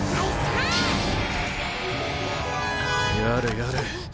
やれやれ。